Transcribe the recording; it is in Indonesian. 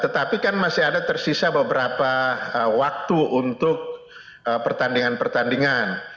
tetapi kan masih ada tersisa beberapa waktu untuk pertandingan pertandingan